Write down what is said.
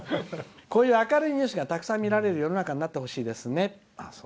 こういう明るいニュースがたくさん見られる世の中になってほしいですね」。